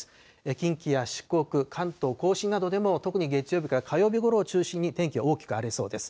近畿や四国、関東甲信などでも特に月曜日から火曜日ごろを中心に天気が大きく荒れそうです。